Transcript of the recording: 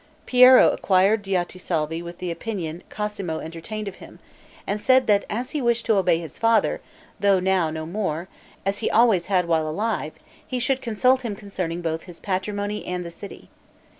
Piero acquired Diotisalvi with the opinion Cosmo entertained of him, and said that as he wished to obey his father, though now no more, as he always had while alive, he should consult him concerning both his patrimony and the city.